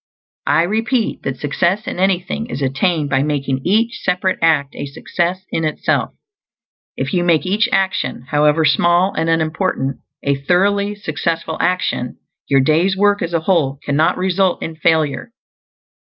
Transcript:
I repeat that success in anything is attained by making each separate act a success in itself. If you make each action, however small and unimportant, a thoroughly successful action, your day's work as a whole cannot result in failure.